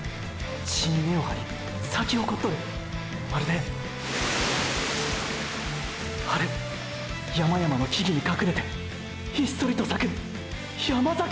地に根を張り咲き誇っとるまるでーー春山々の木々に隠れてひっそりと咲く山桜！！